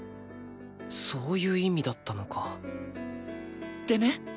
そういう意味だったのかでね